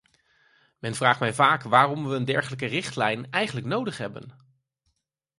Men vraagt mij vaak waarom we een dergelijke richtlijn eigenlijk nodig hebben.